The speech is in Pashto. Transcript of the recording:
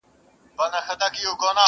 دلته تم سه چي بېړۍ دي را رسیږي!!